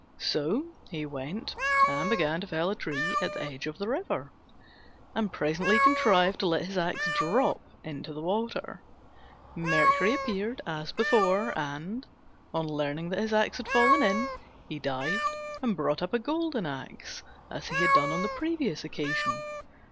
So he went and began to fell a tree at the edge of the river, and presently contrived to let his axe drop into the water. Mercury appeared as before, and, on learning that his axe had fallen in, he dived and brought up a golden axe, as he had done on the previous occasion.